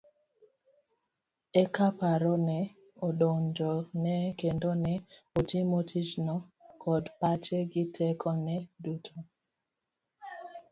Eka paro ne odonjone kendo ne otimo tijno kod pache gi teko ne duto.